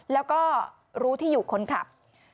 แล้วก็รู้ที่อยู่คนขับ